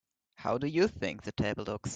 How do you think the table looks?